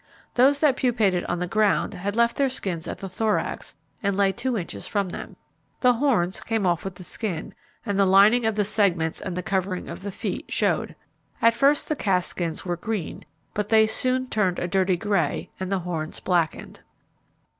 Those that pupated on the ground had left their skins at the thorax, and lay two inches from them. The horns came off with the skin, and the lining of the segments and the covering of the feet showed. At first the cast skins were green, but they soon turned a dirty grey, and the horns blackened.